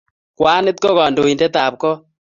Kwanit ko kandoindet ab kot